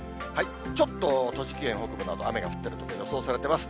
ちょっと栃木県北部など雨が降っている所、予想されています。